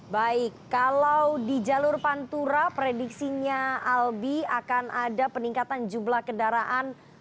baik kalau di jalur pantura prediksinya albi akan ada peningkatan jumlah kendaraan